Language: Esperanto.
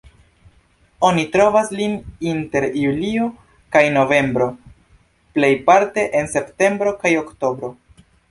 Oni trovas lin inter julio kaj novembro, plejparte en septembro kaj oktobro.